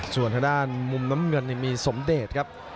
ส่วนทางด้านมุมน้ำเงินนี่มีสมเดชครับ